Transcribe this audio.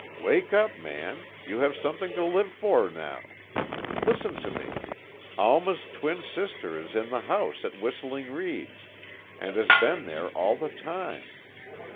"Wake up, man, you have something to live for now! Listen to me. Alma's twin sister is in the house at Whistling Reeds, and has been there all the time.